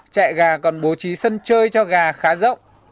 chạy gà còn bố trí sân chơi cho gà khá rộng